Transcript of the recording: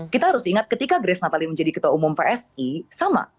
kita harus ingat ketika grace natalie menjadi ketua umum psi sama